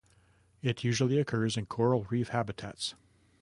It usually occurs in coral reef habitats.